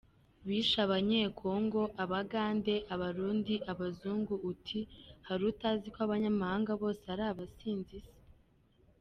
– Bishe Abanyekongo, Abagande, Abarundi, Abazungu … uti “hari utazi ko abanyamahanga bose ari abanzi se !”